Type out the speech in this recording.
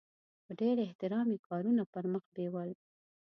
په ډېر احترام یې کارونه پرمخ بیول.